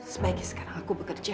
sebaiknya sekarang aku bekerja